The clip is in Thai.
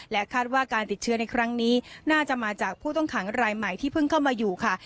คาดว่าการติดเชื้อในครั้งนี้น่าจะมาจากผู้ต้องขังรายใหม่ที่เพิ่งเข้ามาอยู่ค่ะ